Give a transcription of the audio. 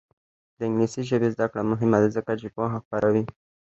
د انګلیسي ژبې زده کړه مهمه ده ځکه چې پوهه خپروي.